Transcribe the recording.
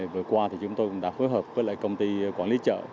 vừa qua chúng tôi đã phối hợp với công ty quản lý chợ